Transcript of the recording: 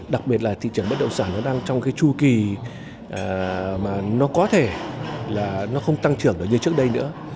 đặc biệt là thị trường bất động sản nó đang trong chu kỳ mà nó có thể là không tăng trưởng như trước đây nữa